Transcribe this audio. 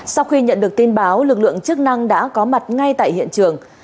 sau khi nhận được tin báo lực lượng chức năng đã có mặt ngay tại hiện trường